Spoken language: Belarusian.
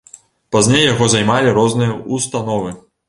Пазней яго займалі розныя ўстановы.